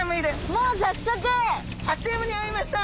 もうさっそく！あっという間に会えました！